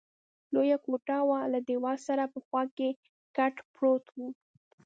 لویه کوټه وه، له دېوال سره په خوا کې کټ پروت وو.